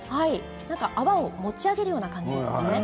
泡を持ち上げるような感じですね。